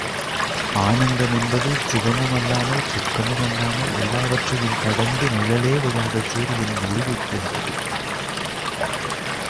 ஆனந்தம் என்பது சுகமும் அல்லாமல், துக்கமும் அல்லாமல் எல்லாவற்றையும் கடந்து, நிழலே விழாத சூரியனின் ஒளியைப் போன்றது.